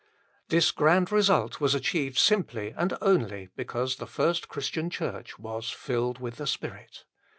This grand result was achieved simply and only because the first Christian church was filled with the Spirit.